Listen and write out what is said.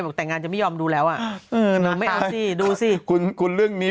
แต่งงานจะไม่ยอมดูแล้วอ่ะเออน้องไม่เอาสิดูสิคุณคุณเรื่องนี้